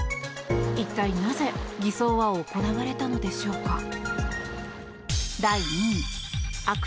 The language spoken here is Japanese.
一体、なぜ偽装は行われたのでしょうか。